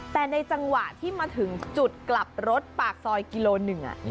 แต่ในจังหวะที่มาถึงจุดกลับรถปากซอยกิโลหนึ่ง